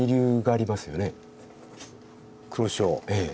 ええ。